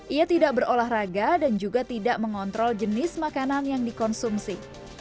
ia tidak berolahraga dan juga tidak mengontrol jenis makanan yang dikonsumsi